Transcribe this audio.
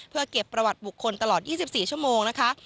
เพื่อเก็บประวัติบุคคลตลอด๒๔ชั่วโมงนะคะ